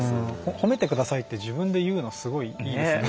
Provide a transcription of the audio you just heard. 「褒めてください」って自分で言うのすごいいいですね。